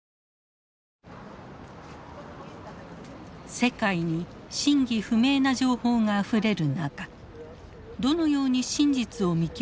世界に真偽不明な情報があふれる中どのように真実を見極めればいいのか